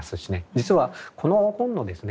実はこの本のですね